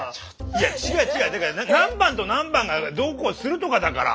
違う違うだから何番と何番がどうこうするとかだから。